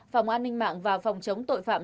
phòng an ninh mạng và phòng chống tội phạm